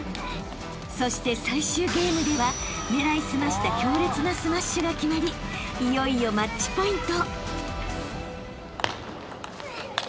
［そして最終ゲームでは狙い澄ました強烈なスマッシュが決まりいよいよマッチポイント］